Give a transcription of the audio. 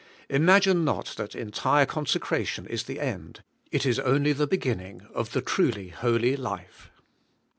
Imagine not that entire consecra tion is the end — it is only the beginning — of the truly holy life.